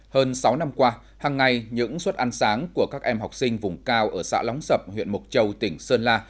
hơn sáu năm qua hằng ngày những suất ăn sáng của các em học sinh vùng cao ở xã lóng sập huyện mộc châu tỉnh sơn la